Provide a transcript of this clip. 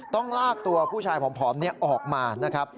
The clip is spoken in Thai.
ต้องลากตัวผู้ชายผอมออกมานะครับ